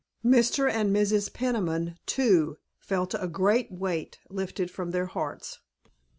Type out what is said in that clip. Mr. and Mrs. Peniman, too, felt a great weight lifted from their hearts.